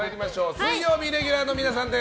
水曜日レギュラーの皆さんです！